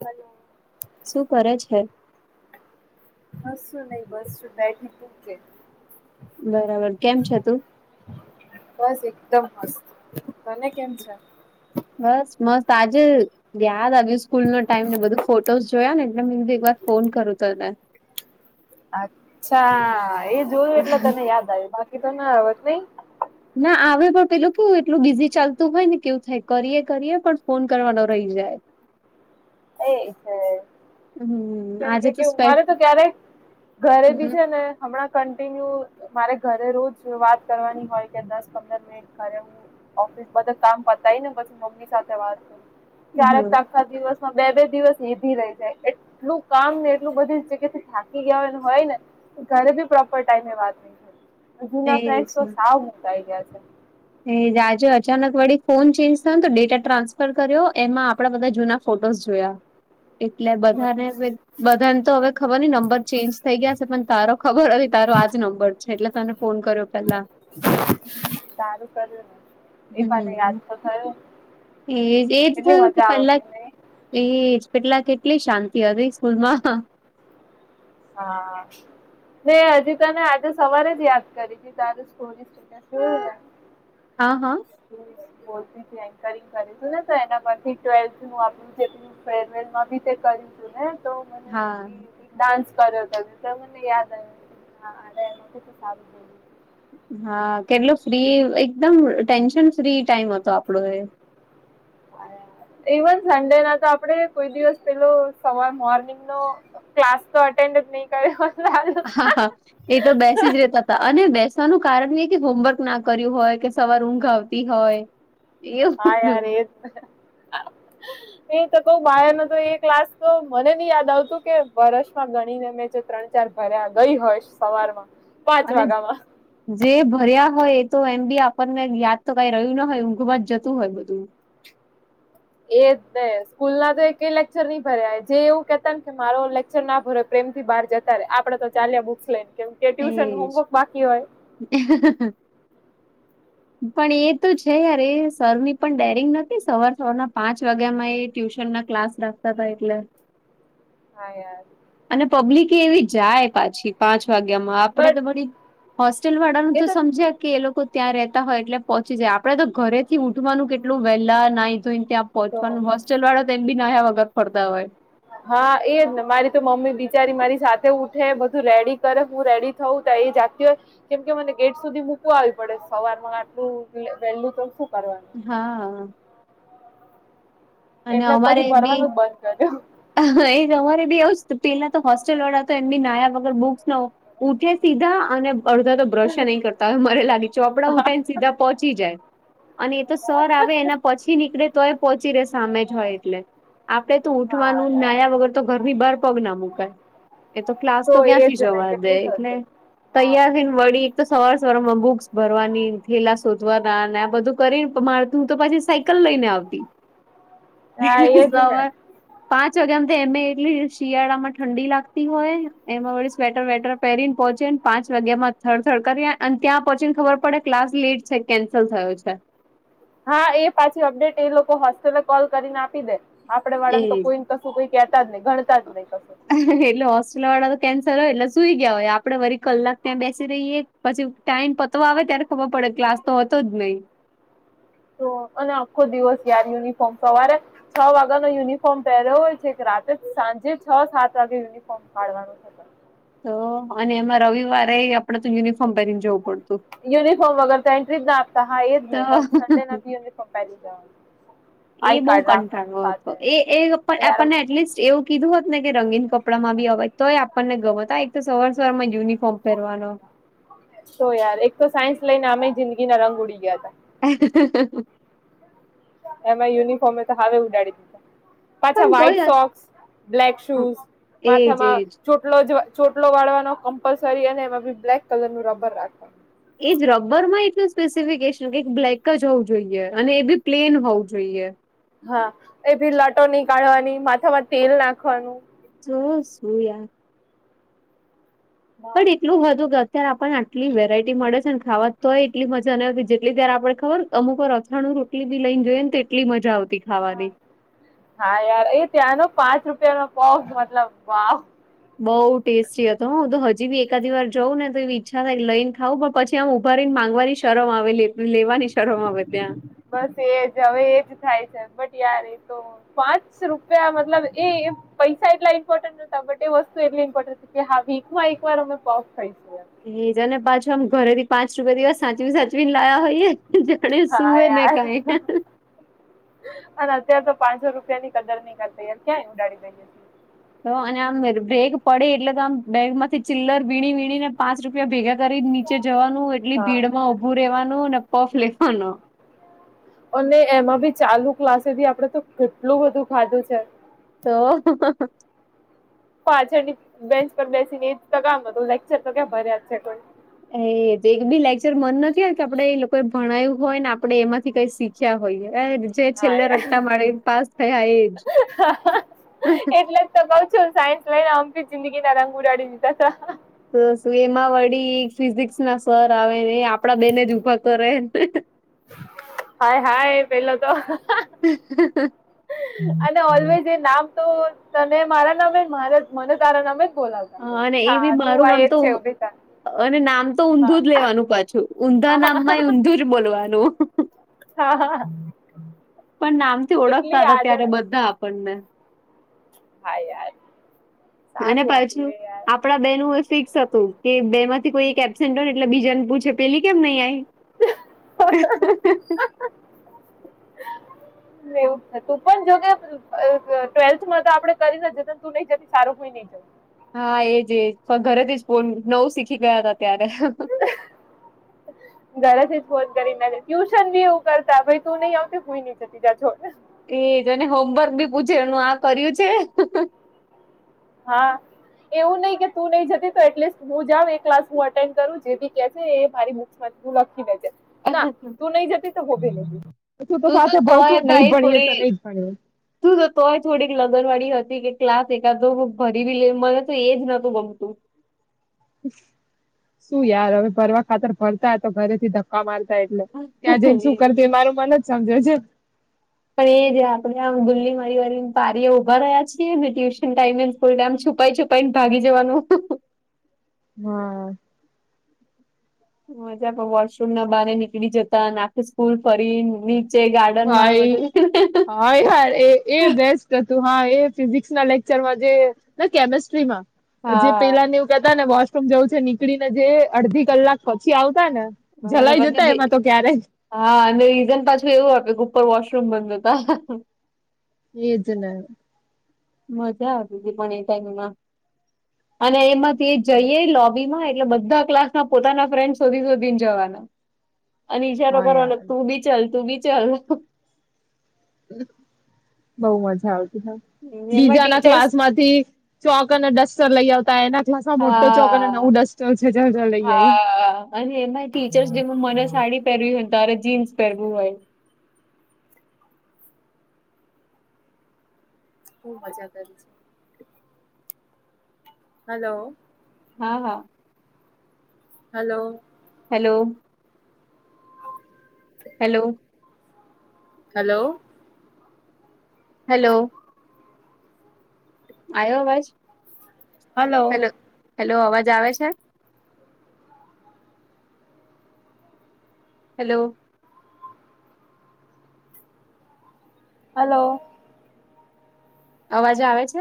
Hello શું કરે છે હસું નહીિ બસ શું બેઠ ટૂ કે બરાબર કેમ છે તું બસ એકદમ મસ્ત તને કેમ છે બસ મસ્ત આજે યાદ આવ્યું સ્કૂલ નો ટાઈમ ને બધું ફોટોસ જોયા ને એટલે મે એક વાર ફોન કરું ત તને અચ્છા એ જોયું એટલે તને યાદ આવ્યું બાકી તો ત નઈ ના આવે પણ પેલું એટલું બીઝી ચાલતું હોય ને કેવું થાય કરીએ કરીએ પણ ફોન કરવાનો રહી જાય એ છે હમ્મ કેમ આજે કે તો કે સ્પેશ મારે તો ક્યારે ઘરે બી છે હમ્મ ને હમણાં કન્ટિન્યુ મારે ઘરે રોજ વાત કરવાની હોય કે દસ પંદર મિનિટ કરરે હું ઓફિસ બધ કામ પતાય ને બછ મમ્મી સાથે વાત કર હા ક્યારેક આખા દિવસ બે દિવસ એ ભી રહી જાય એટલું કામ ને એટલું બધી જગ્યા થી થાકી ગયા હોય હોય ને ઘરે બી પ્રોપર ટાઈમે વાત ન જુના ફ્રેન્ડ તો સાવ મુકાઈ ગયા છે એ રાજજો અચાનક વળી ફોન ચેન્જ થયોને તો ડેટા ટ્રાન્સફર કર્યો એમાં આપડા બધા જૂના ફોટોસ જોયા એટલે બધાને બધાને તો હવે ખબર ન નંબર ચેન્જ થઈ ગયા છે પણ તારો ખબર હતી તારો આજ નંબર એટલે તને ફોન કર્યો પેલા સારું કર્યું ને એ મને યાદ તો થયો એ એજ થયું કે પલા એજ પેટલા કેટલી શાંતિ હતી સ્કૂલમાં હા હજી તને આજે સવારે જ યાદ કરી હતી તાર સ્ શું હા હા બોલતી એકરિંગ કરેું ને તો એના પરથી ટ્વેલ્થ નું આપણું જે ફેરવેલ માં બી તે કરી હતું ને તો હા મને ડાન્સ કર્યો હતો તો મને યાદ આવેા એમાં સા હા કેટલો ફ્રી એકદમ ટેન્શન ફ્રી ટાઈમ હતો આપડો એ ઈવન સન્ડે ના તો આપણેે કોઈ દિવસ પેલો સવાર મોર્નિંગ નો ક્લાસ તો અટેન્ડ જ નહી કરે હા હા એ તો બેસી જ રહેતા હતા અને બેસવાનું કારણ એ કે હોમવર્ક ના કર્યું હોય કે સવાર ઊંઘ આવતી હોય એવું હા યાર [unintelligible] એ તો ક બહાર ન તો એ ક્લાસ તો મને ન યાદ આવતું કે વરષમાં ગણીને મેં જે ત્રણ ચાર ભરે ગઈ હોયશ સવારમાં પાંચ અને વાગ્યા માં જે ભર્યા હોય એ તો એમ બી આપણને યાદ તો કઈ રહ્યું ન હોય ઊંઘમાં જ જતું હોય બધું એ જ ન સ્કૂલ ના તો ક લેક્ચર નહી ભર્યા જે એવું કેતા કે મારો લેક્ચર ના ભ પ્રેમ થી બહાર જતા રે આપડે તો ચાલ્યા બુક્સ લઈને કેમ કે ટ્યુશન હોમવર્ક બાકી હોય હ પણ એ તો છે યાર સરની પણ ડેરિંગ નથી સવાર સના પાંચ વાગ્યામાં એ ટ્યુશન ના ક્લાસ રાસ્તા ભ એટલે હા અને પબ્લિક એવી જાય પાછી પાંચ વાગ્યા માં આપડે તો બટ બધ હોસ્ટેલ વાળાનું એ તો સમજ્યા કે એ લોકો ત્યાં રતા હોય એટલે પહોંચી જાય આપડે તો ઘરે થી ઉઠવાનું કેટલું વહેલા નાહી જોઈને ત્યાં તો પહોચવાનું હોસ્ટેલ વાળા તેમ બી ન્યા વગર ફરતા હોય હા એજ ને મારી તો મમ્મી બિચારી મારી સાથે ઉઠે બધું રેડી કરે હું રેડી થવું તાય એ જાતિ કેમ કે મને ગેટ સુધી મૂકવા આવી પડે સવાર માં આટલું વહેલું તો શું કરવાનું હા એટલે પછી ભરવાનું જ બંધ કર્યું હ એ અમારે બી આવ પેલા તો હોસ્ટેલ વાળા તો એમની નાયા વગર બુક્સ ન ઉઠ્યા સીધા અને અડધા તો બ્રશ નહી કરતા તોવે મને લાગે ચોપડા ઉઠાઈ ને સીધા પહોંચી જાય અને એ તો સર આવે એના પછી નીકળે તોય પહોંચી રે સામે જ હોય એટલે આપડે તો હા ઉઊઠવાનું યાર. નાયા વગર તો ઘરની બહાર પગ ના મુકાય એ તો. ક્લાસ તો ક્યાંથી એજ ને જવા દે કેટલું એટલે થતું. હા. તૈયાર થ. વળી એક તો સવાર સવાર માં બુક્સ ભરવાની થેલા શોધવાના ને આ બધું કરીને માું તોછી સા. લ લઈને આવતી. હા એજ ને પાંચ વાગ્યામ એમે એટલી શિયાળા માં ઠંડી લાગતી હોય એમાં વી સ્વેટર વેટર. પેરીને પહોચી ને પાંચ વાગ્યા માં થર્ડ થર્ડ કરી્યા અને ત્યાં પહોંચી ને ખબર પડે ક્લાસ લેટ છે કેન્સલ થયો છે. હા એ પાછી અપડેટ એ લોકો હોસ્ટેલે કોલ કરીને આપી દે આપડે વાળા ને તો એજ કોઈ. કશું કઈ કેતા જ નહી ગણતા જ નહી કશું. એટલે હોસ્પિટલ વાળા તો કેન્સર હોય એટલે સુઈ ગયા હોય આપડે વરી કલાક ત્યાં બેસી રહીએ પછી ટાઈમ પ. તો આવે ત્યારે ખબર પડે ક્લાસ તો હતો જ નહી. તો અને આખો દિવસ યાર યુનિફોર્મ સવારે. છ વાગ્યા નો યુનિફોર્મ પહેર્યો હોય છે કે રાતે સાંજે છ સાત વાગે. પાડવાનું. તો અને એમાં રવિવારે આપડે તો યુનિફોર્મ પહેરીને જવું પડ. યુનિફોર્મ વગર તો એન્ટ્રીજ ના આપતા હા એજ ને તો સડે નાી યુનિફોર્મ પહેરી જવાનું. એ આઈ બહુ કાર્ડ રાખવાનું કંઠાળો હતો સાથે. એ અરે યાર આપણને એટલીસ્ટ એવું. કીધું હોત ને કે રંગીન કપડા માં બી હય તો એ આપણને ગમતા એક તો સવાર સવાર માં યુનિફોર્મ પહેરવાનો. તો યાર એક તો સાયન્સ લઈને અમે જિંદગી ના રંગ ઉડી ગયા હતા. હ. [inaudible] એમાં યુનિફોર્મે એ તો હાવે ઉડાડી દીધા. પાછા પણ વ્હાઈટ તોય સોક્સ બ્લેક હમ, શૂઝ એજ માથામાં. એજ ચોટલો ચોટલો વાળવાનો કમ્પલસરી અને એમા બ્લેક કલર નું રબર રાખવાનું. એજ રબર માં એટલું સ્પેસિફિકેશન કે બ્લેક જ હોવું જોઈએ અને એ બી પ્લેન હોવું જોઈએ. હા એ ભી લટો ની કાઢવાની માથામાં તેલ નાખવાનું. શ શું યાર. પણ એટલું બાપરે વધુત. ત્યારે આપણને આટલી વેરાયટી મળે છે ને ખાવા તોય એટલી મજાને જેટલી ત આપણે ખબર. અમુક અથાણું રોટલી બી લઈને ગઈ ને તો એટલી મજા આવતી ખાવાની. હા યાર એ ત્યાંનો પાંચ રૂપિયા નો પગ મતલબ વાવ. બઉ ટેસ્ટી હતો હું તો હજી બી એકાદી વાર જાઉં ને તો એવી ઈચ્છા થાય લઈને ખાવં પણ પછી. ત્યાં ઉભાારીને માંગવાની શરમ આવે લેવાની શરમ આવે ત્યાં. બસ એજ હવે એજ થાય છે બટ યાર એ તો. પાંચ રૂપિયા મતલબ એ. પૈસા એટલા ઇમ્પોર્ટન્ટતા બટ એ વસ્તુ એટલી ઇમ્પોર્ટન્ટ હતી કે વીકમાં એક વાર અમે પોપ થઈશું. એજ ને પાછું આમ ઘરે થી પાંચ રૂપિયા દિવસ સાચવી સાચવી ને લાયા હોયએ. જાણે હા સુૂવે ને યાર કઈ. અને અત્યારે તો પાંચસો રૂપિયા ની કદર ની તૈયાર ક્યાંય ઉડાડી દઈ. તો અને આમ બ્રેક પડે એટલે તો આમ બેગ માંથી ચિલ્લર વીણી વીણીને. પાંચ રૂપિયા ભેગા કરી નીચે જવાનું એટલી હા ભીડ માં ઉઊભું રહેેવાનું ને પફ લેવાનો. અને એમાં બી ચાલુ ક્લાસેથી આપડે તો કેટલું બધું ખાધું છે. તો પાછળ ની બેન્ચ પર બેસીને એ તો કામ હતું લેક્ચર તો ક્યા ભર્યા જ છે કોઈ. એ એક બી લેક્ચર મન નથી હો કે આપણેે એ લોકોએ ભણાય્યું હોય ને આપણે એમાંથી કઈીખ. હોય એ જે હા છેલ્લા યાર રટ્ટતા માળે પાસ થયા એજ. એટલે જ તો કઉ છું સાયન્સ લઈને અમ જિંદગી નાના રંગ ઉડાડી દીધા હતા. તો શું એમાં વળી ફિઝિક્સ ના સર આવે ને આપડા બેને જ ઉભા કરે. હાય હાય પેલો તો હ. અને ઓલવેઝ એ નામ તો તને મારા નામે મારા મને તારા નામે બોલાવ. અને એ હા બી તું મારું આ એ નામ જ તો છેભી ત. અને નામ તો ઊંધું જ લેવાનું પાછું ઊંધા હા નામ હા માં ઊંધું જ બોલવાનું. હા હા પણ નામથી ઓળખતા એટલી હતા ત્યારે આદળ બધા આપણને હા યાર અને સારું પાછું હતું એ આ યાર પડા બે નું એ ફિક્સ હતું કે બે માંથી કોઈ એક એબ્સેન્ટ હોયને એટલે બીજાને પૂછે પેલી કેમ નહી આઈ [unintelligible] એવું હતું પણ જો ને ટ્વેલ્થમાં તો આપડે કરીને જ તું નઈ જતી સારું કોઈ નઈ જતું હા એજ એજ ઘરેથી જ ફોન નવું શીખી ગયા હતા ત્યારે [inaudible] ઘરેથી ફોન કરી ના ટ્યુશન બી એવું કરતા ભ તું નહી આવતીું હઈ નઈ જતી જાજો એજ અને હોમવર્ક બી પૂછે આનું આ કર્યું છે. હા એવું નહી કે તું નહી જતી તો એટલીસ્ટ હું જાઉ એ ક્લાસ હું એટેન્ડ કરું જે બી કેસે મા તું લખી લેજે ના તું નહી જતી તો હોભી નઈ જેતી શું તો તું સાથે તોય ભણશું નહી ભાઈ ભણીએ તો થોડી નહી ભણીએ તું તો તોય થોડીક લગન વાળી હતી કે ક્લાસ એકાદો ભરીવી લે મને તો એ જ નતું ગમતું શું યાર હવે ભરવા ખાતર ભરતા તો ઘરે થી ઘ કા મારતા એટલે ત્યાં જને શું કરતી મારું મન જ સમજે છે પણ એ જે આપણેે આ ગુલ્લી મારી વાળી પારી એ ઉભા રહ્યા છીએ ને ટ્યુશન ટાઈમે [unintelligible] આમ છુપાઈ છુપાઈને ભાગી જવાનું હા મજા વોશરૂમ ના બહારે નીકળી જતા આખે સ્કૂલ ફરીની ભાઈ હા યાર એ એ બેસ્ટ તું હા એ ફિઝિકસ ના લેક્ચરમાં જે કેમેસ્ટ્રીમાં જે હા પેલા ને તા ને વોશરૂમ જવું છે નીકળી ને જે અડધી કલાક પછી આવતા ને અને જલાઈ પછી જતા જે એમાં તો ક્યારે હા અને રીઝન પાછું એવું આપે કે ઉપર વોશરૂમ બંધતા એ જ ના મજા આવતી હતી પણ એ ટાઈમમાં અને એમાંથી જઈએ લોબી માં એટલે બધા ક્લાસમાં પોતાના ફ્રેન્ડ શોધી શોધીને જવાના અને ઇશારો હા કરવાનો યાર તું બી ચલ તું બી ચલ બઉ મજા આવતી એમાં બીજાના ટીચર્સ ક્લાસ માંથી ચોક અને ડસ્ટર લઈ આવતા એના ક્લાસમાં મોટો ચોક અને નવું હા ડસ્ટર છે જ લઈ આઈ હા અને એમાં ટીચર્સ ડેમાં મને સાડી પહેરવી હોય તારે જીન્સ પહેરવું હોય બહુ મજા કરી છે. હલો હા હા hello hello hello hello hello આવ્યો અવાજ હલો હેલો હેલો અવાજ આવે છે? હેલો. હલો. અવાજો આવે છે